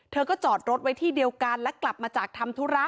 เธอก็จอดรถไว้ที่เดียวกันและกลับมาจากทำธุระ